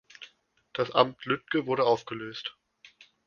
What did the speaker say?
Das Amt Lügde wurde aufgelöst.